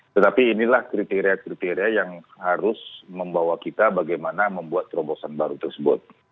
tetapi inilah kriteria kriteria yang harus membawa kita bagaimana membuat terobosan baru tersebut